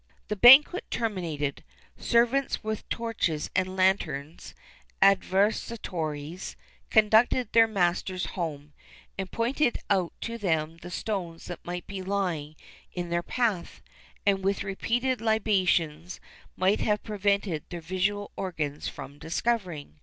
[XXXIII 25] The banquet terminated, servants with torches and lanterns (adversitores) conducted their masters home, and pointed out to them the stones that might be lying in their path, and which repeated libations might have prevented their visual organs from discovering.